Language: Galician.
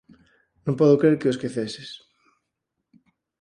Non podo crer que o esqueceses.